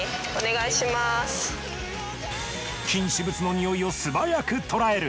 禁止物のにおいをすばやくとらえる